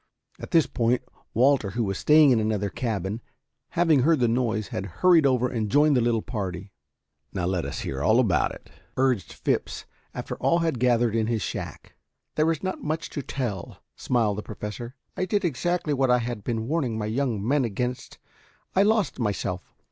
At this point, Walter, who was staying in another cabin, having heard the noise, had hurried over and joined the little party. "Now let us hear all about it," urged Phipps, after all had gathered in his shack. "There is not much to tell," smiled the Professor. "I did exactly what I had been warning my young men against. I lost myself.